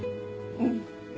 うん。